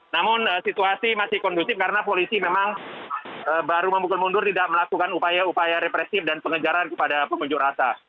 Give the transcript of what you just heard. namun situasi masih kondusif karena polisi memang baru memukul mundur tidak melakukan upaya upaya represif dan pengejaran kepada pengunjuk rasa